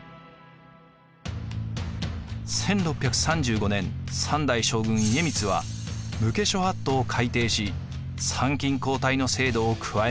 １６３５年３代将軍家光は武家諸法度を改定し参勤交代の制度を加えました。